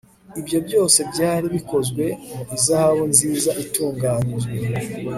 ibyo byose byari bikozwe mu izahabu nziza itunganyijwe